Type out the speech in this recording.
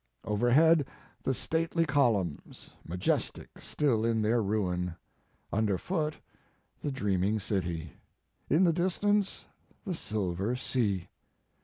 Overhead the stately columns, majestic still in their ruin; underfoot, the dream ing city; in the distance, the silver sea.